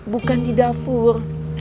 bukan di dapur